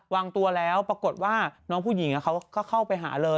วางตัวแล้วปรากฏว่าน้องผู้หญิงเขาก็เข้าไปหาเลย